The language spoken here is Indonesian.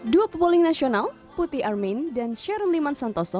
dua peboling nasional putih armin dan sharon liman santoso